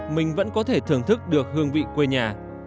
mình vẫn có thể thưởng thức được hương vị quê nhà